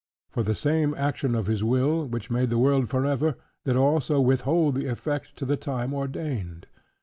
For the same action of his will, which made the world forever, did also withhold the effect to the time ordained.